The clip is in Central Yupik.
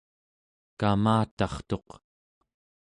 kamatartuq